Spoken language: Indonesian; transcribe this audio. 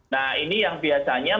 nah ini yang biasanya